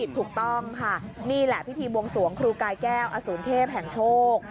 ถูกต้องค่ะนี่แหละพิธีบวงสวงครูกายแก้วอสูรเทพแห่งโชค